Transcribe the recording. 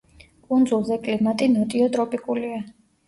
კუნძულზე კლიმატი ნოტიო ტროპიკულია.